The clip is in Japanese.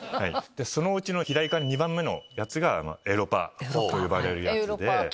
そのうちの左から２番目のやつがエウロパと呼ばれるやつで。